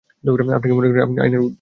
আপনি কি মনে করেন আপনি আইনের ঊর্ধ্বে?